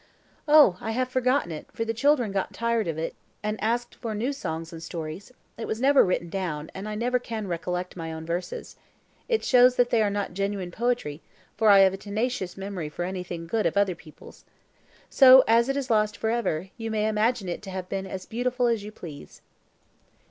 "Oh, I have forgotten it, for the children got tired of it, and asked for new songs and stories; it was never written down, and I never can recollect my own verses. It shows that they are not genuine poetry, for I have a tenacious memory for anything good of other people's. So, as it is lost for ever, you may imagine it to have been as beautiful as you please."